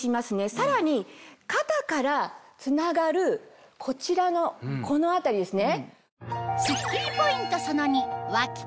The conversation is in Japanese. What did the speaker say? さらに肩からつながるこちらのこの辺りですね。